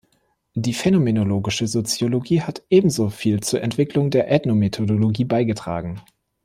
Die phänomenologische Soziologie hat ebenso viel zur Entwicklung der Ethnomethodologie beigetragen.